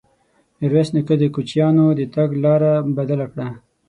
ميرويس نيکه د کوچيانو د تګ لاره بدله کړه.